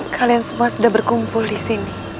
kalian semua sudah berkumpul di sini